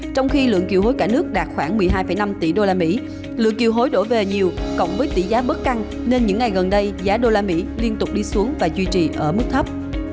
trong khi lượng kiều hối cả nước đạt khoảng một mươi hai năm tỷ usd lượng kiều hối đổ về nhiều cộng với tỷ giá bớt căng nên những ngày gần đây giá usd liên tục đi xuống và duy trì ở mức thấp